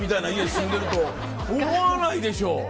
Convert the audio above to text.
思わないでしょ。